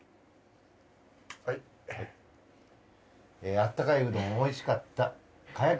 「あったかいうどんおいしかった」。